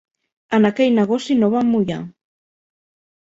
En aquell negoci no vam mullar.